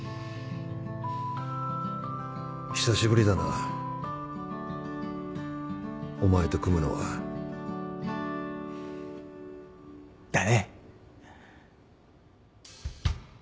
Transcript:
久しぶりだなお前と組むのは。だね。